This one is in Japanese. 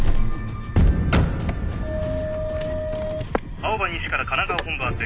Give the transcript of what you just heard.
青葉西から神奈川本部あて。